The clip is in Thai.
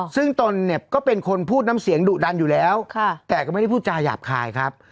ซึ่งตนเนี่ยก็เป็นคนพูดน้ำเสียงดุดันอยู่แล้วแต่ก็ไม่ได้พูดจาหยาบคายครับ